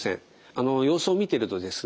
あの様子を見てるとですね